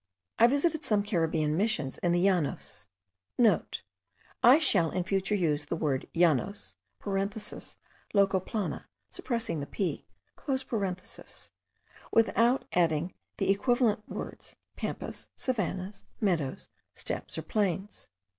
I visited some Caribbean Missions in the Llanos,* (* I shall in future use the word Llanos (loca plana, suppressing the p), without adding the equivalent words pampas, savannahs, meadows, steppes, or plains.